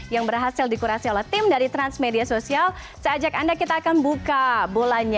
ya baik sama sama